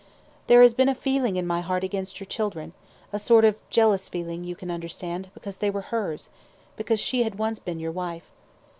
"There has been a feeling in my heart against your children, a sort of jealous feeling, you can understand, because they were hers; because she had once been your wife.